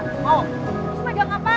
terus pegang apaan